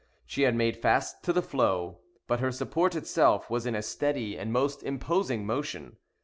She had made fast to the floe, but her support itself was in a steady and most imposing motion.